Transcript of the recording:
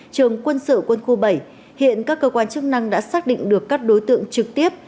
trường quân sự quân khu bảy hiện các cơ quan chức năng đã xác định được các đối tượng trực tiếp